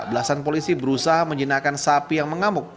belasan polisi berusaha menjinakkan sapi yang mengamuk